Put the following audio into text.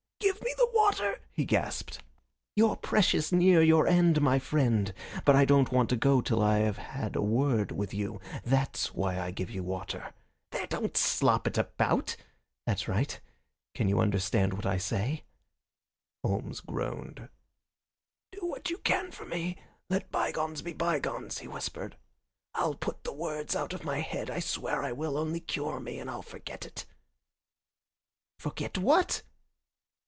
"Give me the water!" he gasped. "You're precious near your end, my friend, but I don't want you to go till I have had a word with you. That's why I give you water. There, don't slop it about! That's right. Can you understand what I say?" Holmes groaned. "Do what you can for me. Let bygones be bygones," he whispered. "I'll put the words out of my head I swear I will. Only cure me, and I'll forget it." "Forget what?"